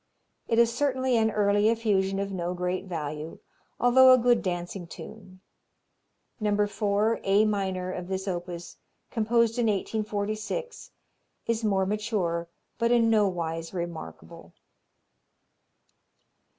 It is certainly an early effusion of no great value, although a good dancing tune. No. 4 A minor, of this opus, composed in 1846, is more mature, but in no wise remarkable.